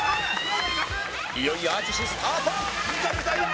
いよいよ淳スタート！